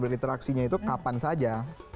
berleteraksinya itu kapan saja